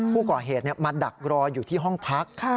ผู้ก่อเหตุมาดักรออยู่ที่ห้องพัก